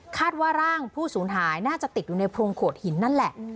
ว่าร่างผู้สูญหายน่าจะติดอยู่ในโพรงโขดหินนั่นแหละ